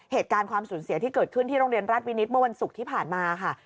เหตุการณ์ความสูญเสียที่เกิดขึ้นที่โรงเรียนราชวินิตเมื่อวันศุกร์ที่ผ่านมาค่ะ